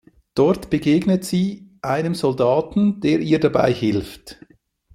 Dort begegnet sie einem Soldaten, der ihr dabei hilft.